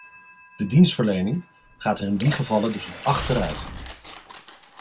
De dienstverlening gaat er in die gevallen dus op achteruit.